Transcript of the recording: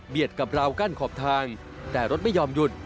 กับราวกั้นขอบทางแต่รถไม่ยอมหยุด